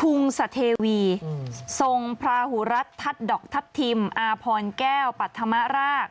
ทุงสเทวีทรงพระหูรัฐทัศน์ดอกทัพทิมอาพรแก้วปัธมราก